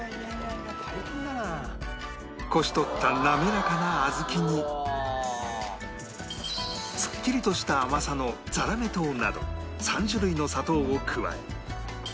こし取った滑らかな小豆にすっきりとした甘さのザラメ糖など３種類の砂糖を加え